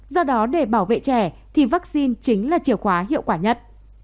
do đó để bảo vệ trẻ thì vaccine chính là chìa khóa hiệu quả nhất